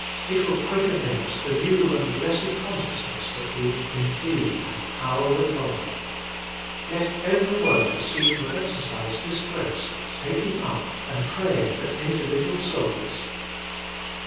It will quicken in us the new and blessed con sciousness that we indeed have power with 150 Working for God God. Let every worker seek to exercise this grace of taking up and praying for individual souls.